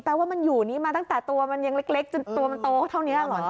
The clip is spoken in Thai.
ว่ามันอยู่นี้มาตั้งแต่ตัวมันยังเล็กจนตัวมันโตเท่านี้เหรอ